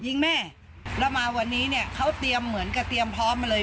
ยิงแม่แล้วมาวันนี้เนี่ยเขาเตรียมเหมือนกับเตรียมพร้อมมาเลย